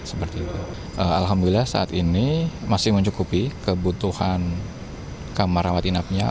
alhamdulillah saat ini masih mencukupi kebutuhan kamar rawat inapnya